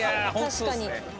確かに。